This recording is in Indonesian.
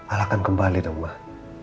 alahkan kembali dong mbak